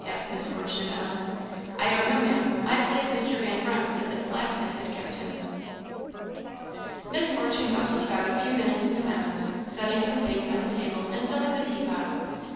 asked Miss Fortune of Ellen. "I don't know, Maam I believe Mr. Van Brunt said the blacksmith had kept him." Miss Fortune bustled about a few minutes in silence, setting some things on the table, and filling the tea pot.